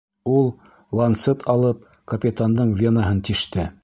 Ул, ланцет алып, капитандың венаһын тиште.